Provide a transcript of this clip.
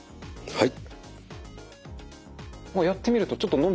はい。